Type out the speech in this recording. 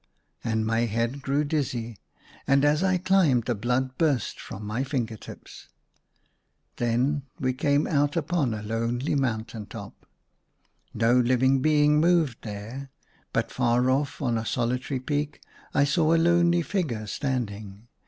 " And my head grew dizzy, and as I ACROSS MY BED. 175 climbed the blood burst from my finger tips. Then we came out upon a lonely mountain top. No living being moved there ; but far off on a solitary peak I saw a lonely figure standing.